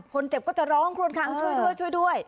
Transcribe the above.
คนเจ็บก็จะร้องคนขังช่วยด้วย